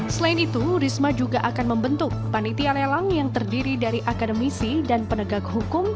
selain itu risma juga akan membentuk panitia lelang yang terdiri dari akademisi dan penegak hukum